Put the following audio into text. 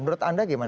menurut anda gimana